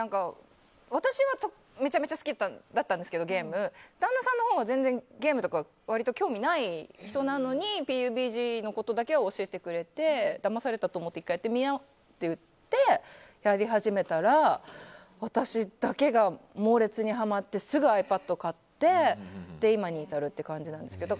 私はめちゃめちゃゲーム好きだったんですけど旦那さんのほうは全然ゲームとか割と興味がない人なのにＰＵＢＧのことだけは教えてくれてだまされたと思って１回やってみようって言ってやり始めたら私だけが猛烈にはまってすぐｉＰａｄを買って今に至るって感じなんですけど。